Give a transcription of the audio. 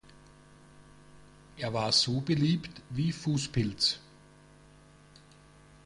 Er war so beliebt wie Fusspilz.